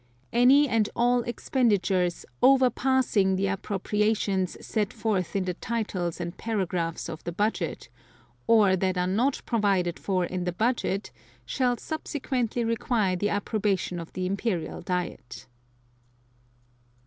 (2) Any and all expenditures overpassing the appropriations set forth in the Titles and Paragraphs of the Budget, or that are not provided for in the Budget, shall subsequently require the approbation of the Imperial Diet.